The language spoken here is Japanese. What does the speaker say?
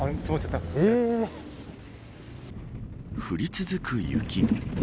降り続く雪。